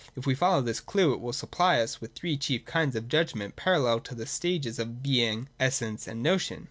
If we follow this clue, it will supply us with three chief kinds of judgment parallel to the stages of Being, Essence, and Notion.